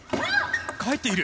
返っている。